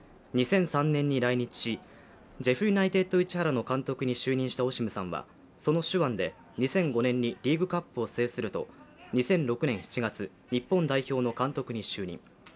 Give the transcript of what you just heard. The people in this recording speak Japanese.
２００３年に来日し、ジェフユナイテッド市原の監督に就任したオシムさんはその手腕で２００５年にリーグカップを制すると２００６年７月日本代表の監督に就任。